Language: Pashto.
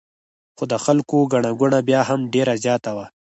خو د خلکو ګڼه ګوڼه بیا هم ډېره زیاته وه.